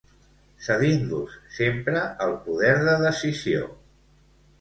Cedint-los sempre el poder de decisió.